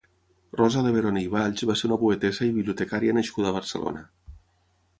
Rosa Leveroni i Valls va ser una poetessa i bibliotecària nascuda a Barcelona.